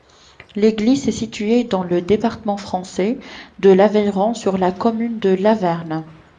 L'église est située dans le département français de l'Aveyron, sur la commune de Lavernhe.